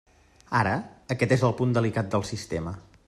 Ara, aquest és el punt delicat del sistema.